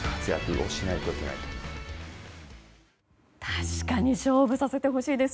確かに勝負させてほしいです。